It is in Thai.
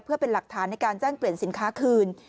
เพื่อเป็นหลักฐานในการแจ้งเปลี่ยนสินค้าคืน